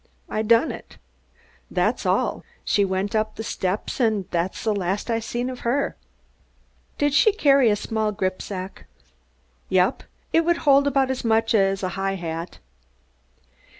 I done it. That's all. She went up the steps, and that's the last I seen of her." "Did she carry a small gripsack?" "Yep. It would hold about as much as a high hat."